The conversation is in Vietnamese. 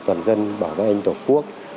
toàn dân bảo vệ anh tổ quốc